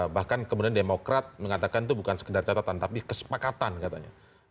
bahkan kemudian demokrat mengatakan itu bukan sekedar catatan tapi kesepakatan katanya